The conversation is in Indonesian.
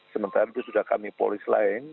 sementara itu sudah kami polis lain